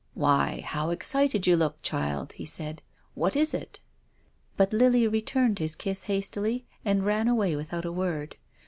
" Why, how excited you look, child !" he said, " what is it ?" But Lily returned his kiss hastily and ran away without a word.